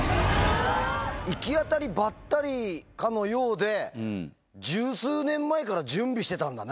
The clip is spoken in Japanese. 行き当たりばったりかのようで、十数年前から、準備してたんだね。